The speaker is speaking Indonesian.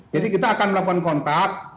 jadi kita akan melakukan kontak